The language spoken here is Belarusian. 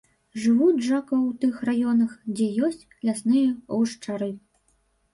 Жывуць жако ў тых раёнах, дзе ёсць лясныя гушчары.